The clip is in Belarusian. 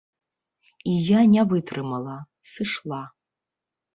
І я не вытрымала, сышла.